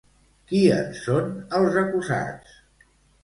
Qui en són els acusats?